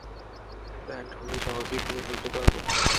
Pant হলে সহজেই খুলে ফেলতে পারবো।